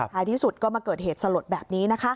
ที่สุดก็มาเกิดเหตุสลดแบบนี้นะคะ